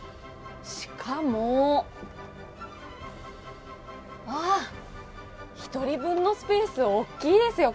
しかも、あ、１人分のスペース、大きいですよ。